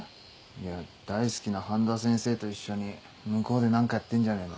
いや大好きな半田先生と一緒に向こうで何かやってんじゃねえの。